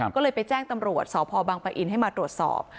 ก็เลยไปแจ้งตำรวจสพบังปะอินให้มาตรวจสอบ